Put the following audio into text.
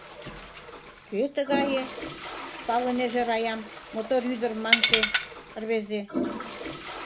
— Кӧ тыгае? — палынеже Раям «мотор ӱдыр» манше рвезе.